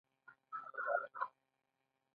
خو زه پرې خوشحاله نشوم.